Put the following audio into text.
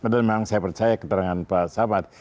dan memang saya percaya keterangan pak sabat